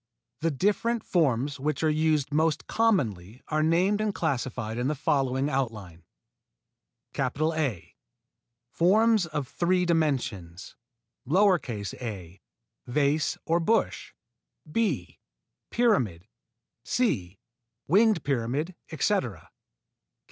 The different forms which are used most commonly are named and classified in the following outline: A. Forms of three dimensions: a. Vase or bush b. Pyramid c. Winged pyramid, etc. _B.